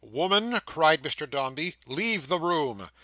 "Woman," cried Mr Dombey, "leave the room."